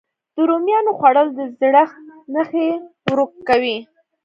د رومیانو خووړل د زړښت نښې ورو کوي.